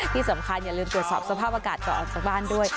ที่สำคัญอย่าลืมตรวจสอบสภาพอากาศก่อนออกจากบ้านด้วย